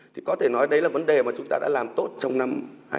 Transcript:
thì có thể nói đấy là vấn đề mà chúng ta đã làm tốt trong năm hai nghìn hai mươi